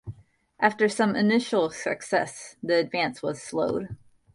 After some initial successes the advance was slowed.